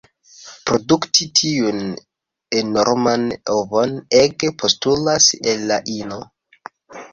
Produkti tiun enorman ovon ege postulas el la ino.